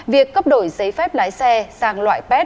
việc cấp đổi giấy phép lái xe sang loại pet